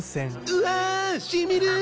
うわ染みる。